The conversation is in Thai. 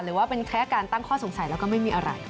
หรือว่าเป็นแค่การตั้งข้อสงสัยแล้วก็ไม่มีอะไร